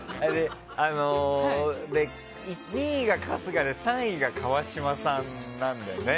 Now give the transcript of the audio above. ２位が春日で３位が川島さんなんだよね。